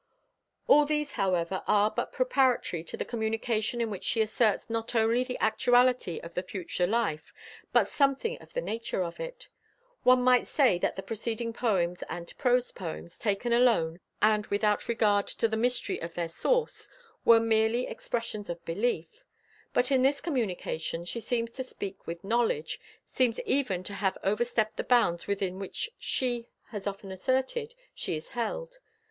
All these, however, are but preparatory to the communication in which she asserts not only the actuality of the future life but something of the nature of it. One might say that the preceding poems and prose poems, taken alone and without regard to the mystery of their source, were merely expressions of belief, but in this communication she seems to speak with knowledge, seems even to have overstepped the bounds within which, she has often asserted, she is held.